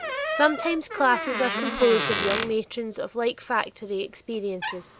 Sometimes classes are composed of young matrons of like factory experiences.